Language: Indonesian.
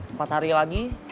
empat hari lagi